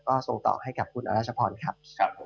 ก็ส่งต่อให้กับคุณอรัชพรครับผม